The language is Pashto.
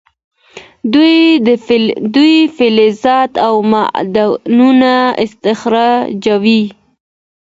دوی فلزات او معدنونه استخراجوي.